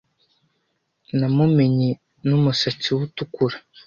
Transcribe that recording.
Namumenye numusatsi we utukura.